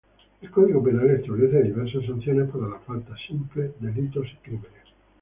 El Código Penal establece diversas sanciones para las faltas, simples delitos y crímenes.